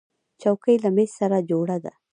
چوکۍ له مېز سره جوړه ده.